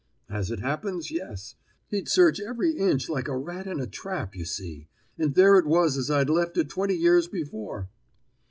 "As it happens, yes; he'd search every inch like a rat in a trap, you see; and there it was as I'd left it twenty years before."